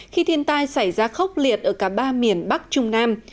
khi thiên tai xảy ra khốc liệt ở cả ba miền bắc trung nam